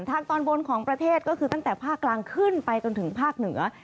ตอนบนของประเทศก็คือตั้งแต่ภาคกลางขึ้นไปจนถึงภาคเหนือ